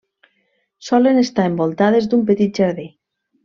Solen estar envoltades d'un petit jardí.